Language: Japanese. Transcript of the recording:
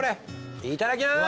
いただきます。